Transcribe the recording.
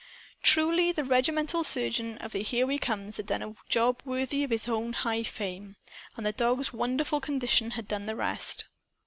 Truly, the regimental surgeon of the "Here We Comes" had done a job worthy of his own high fame! And the dog's wonderful condition had done the rest.